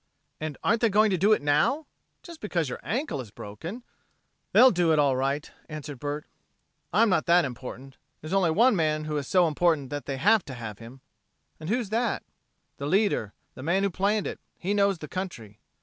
And aren't they going to do it now! Just because you're ankle is broken?" "They'll do it, all right," answered Bert. "I'm not that important. There's only one man who is so important that they have to have him." "And who's that?" "The leader the man who planned it. He knows the country."